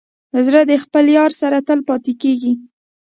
زړه د خپل یار سره تل پاتې کېږي.